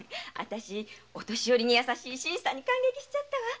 私優しい新さんに感激しちゃったわ。